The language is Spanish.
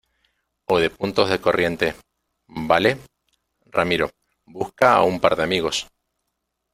o de puntos de corriente, ¿ vale? ramiro , busca a un par de amigos